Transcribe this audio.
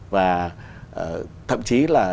và thậm chí là